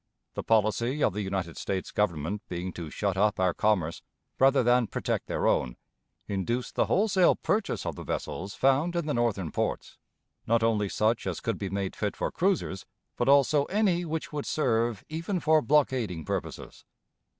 The policy of the United States Government being to shut up our commerce rather than protect their own, induced the wholesale purchase of the vessels found in the Northern ports not only such as could be made fit for cruisers, but also any which would serve even for blockading purposes.